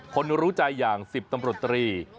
ก็อย่าลืมให้กำลังใจเมย์ในรายการต่อไปนะคะ